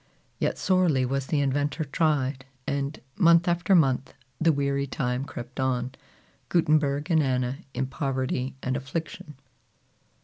Yet sorely was the inventor tried; and month after month, the weary time crept on, Gutenberg and Anna in poverty and affliction.